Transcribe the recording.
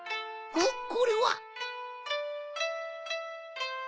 おっこれは。